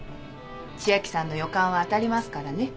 千明さんの予感は当たりますからね。